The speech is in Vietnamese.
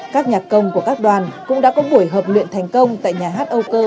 các nhạc công của các đoàn cũng đã có buổi hợp luyện thành công tại nhà hát âu cơ